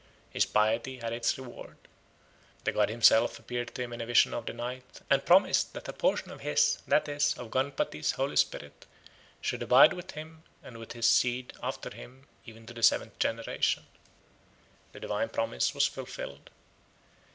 His piety had its reward. The god himself appeared to him in a vision of the night and promised that a portion of his, that is, of Gunputty's holy spirit should abide with him and with his seed after him even to the seventh generation. The divine promise was fulfilled.